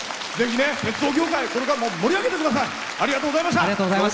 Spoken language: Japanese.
鉄道業界これからも盛り上げてください！